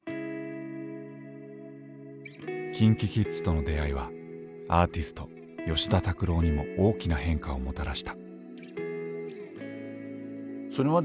ＫｉｎＫｉＫｉｄｓとの出会いはアーティスト吉田拓郎にも大きな変化をもたらした。